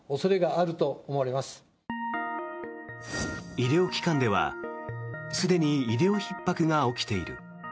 医療機関ではすでに医療ひっ迫が起きている。